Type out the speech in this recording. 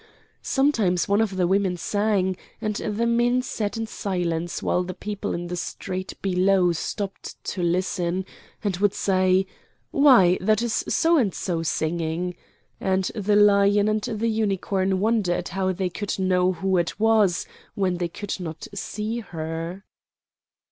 Sometimes one of the women sang, and the men sat in silence while the people in the street below stopped to listen, and would say, "Why, that is So and So singing," and the Lion and the Unicorn wondered how they could know who it was when they could not see her.